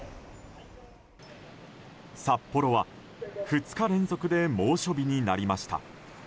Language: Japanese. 札幌は、２日連続で猛暑日になりました。